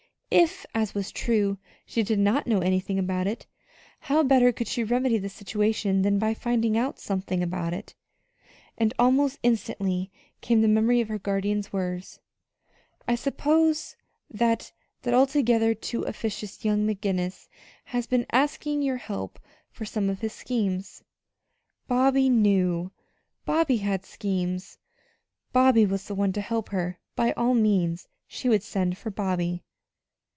If, as was true, she did not know anything about it, how better could she remedy the situation than by finding out something about it? And almost instantly came the memory of her guardian's words: "I suppose that that altogether too officious young McGinnis has been asking your help for some of his schemes." Bobby knew. Bobby had schemes. Bobby was the one to help her. By all means, she would send for Bobby!